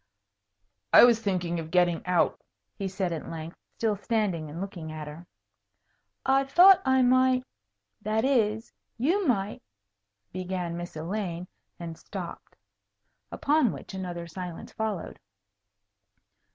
"I was thinking of getting out," he said at length, still standing and looking at her. "I thought I might that is you might " began Miss Elaine, and stopped. Upon which another silence followed.